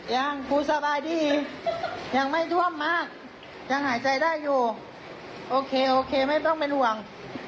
ยังครูสบายดียังไม่ท่วมมากยังหายใจได้อยู่โอเคโอเคไม่ต้องเป็นห่วง